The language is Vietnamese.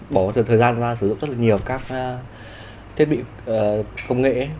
bỏ thời gian ra sử dụng rất là nhiều các thiết bị công nghệ